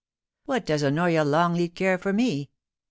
What does Honoria Longleat care for me